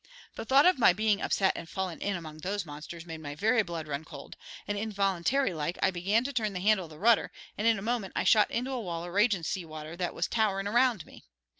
The thought of my bein' upset and fallin' in among those monsters made my very blood run cold, and involuntary like I began to turn the handle of the rudder, and in a moment I shot into a wall of ragin' sea water that was towerin' around me.